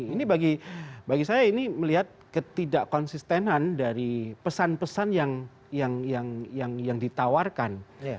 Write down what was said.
ini bagi saya ini melihat ketidak konsistenan dari pesan pesan yang ditawarkan